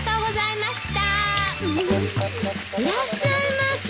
いらっしゃいませ！